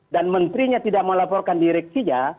dan menterinya tidak melaporkan direksinya